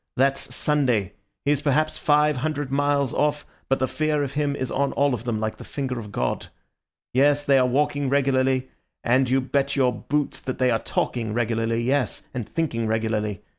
That's Sunday. He is perhaps five hundred miles off, but the fear of him is on all of them, like the finger of God. Yes, they are walking regularly; and you bet your boots that they are talking regularly, yes, and thinking regularly.